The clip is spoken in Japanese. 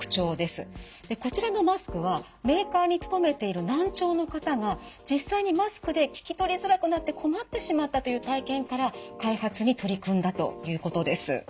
でこちらのマスクはメーカーに勤めている難聴の方が実際にマスクで聞き取りづらくなって困ってしまったという体験から開発に取り組んだということです。